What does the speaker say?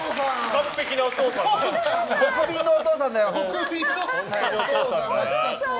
完璧なお父さん。